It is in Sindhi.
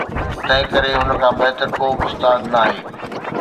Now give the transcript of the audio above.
تنهن ڪري هن کان بهتر ڪو به استاد ناهي.